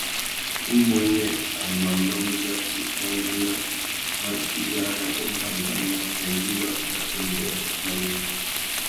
Umuênê a mà mándjá ikankana râ iyara umbámbànà nà gnïmá râ undêrô râ yêndzê.